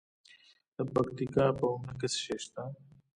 د پکتیکا په اومنه کې څه شی شته؟